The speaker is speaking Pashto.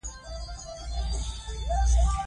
یوازیتوب د فشار او ناخوښۍ سبب کېدای شي.